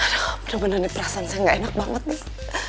aduh bener bener perasaan saya gak enak banget nih